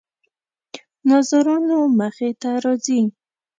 ناظرانو مخې ته راځي.